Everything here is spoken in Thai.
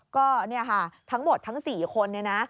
ก็ทั้งหมดทั้ง๔คน